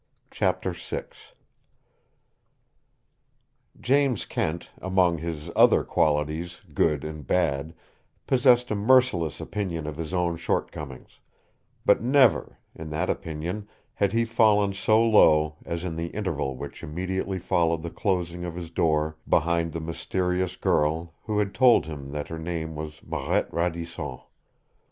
CHAPTER VI James Kent, among his other qualities good and bad, possessed a merciless opinion of his own shortcomings, but never, in that opinion, had he fallen so low as in the interval which immediately followed the closing of his door behind the mysterious girl who had told him that her name was Marette Radisson.